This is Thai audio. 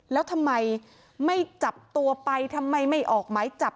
แล้วทำไมไม่จับตัวไปทำไมไม่ออกหมายจับ